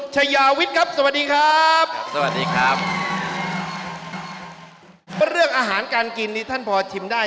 ทีมีชอบบรุงที่จะเผาคำว่าที่จะช่วยที่สุด